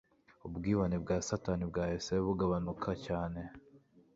Ubwibone bwa satani bwahise bugabanuka cyane